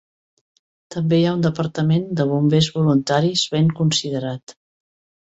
També hi ha un departament de bombers voluntaris ben considerat.